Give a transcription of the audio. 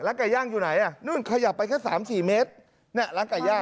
ไก่ย่างอยู่ไหนอ่ะนู่นขยับไปแค่สามสี่เมตรเนี่ยร้านไก่ย่าง